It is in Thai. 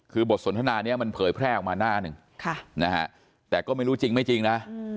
คือบทสนทนานี้มันเผยแพร่ออกมาหน้าหนึ่งแต่ก็ไม่รู้จริงไม่จริงนะ